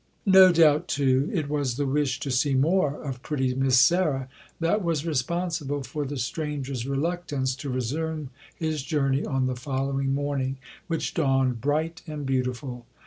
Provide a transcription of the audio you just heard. No doubt, too, it was the wish to see more of pretty Miss Sarah that was responsible for the stranger's reluctance to resume his journey on the following morning, which dawned bright and beautiful.